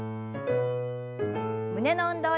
胸の運動です。